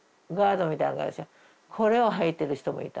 これをはいてる人もいた。